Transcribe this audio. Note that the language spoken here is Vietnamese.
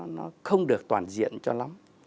nó không được toàn diện cho lắm